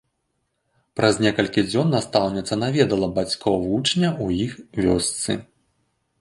Праз некалькі дзён настаўніца наведала бацькоў вучня ў іх вёсцы.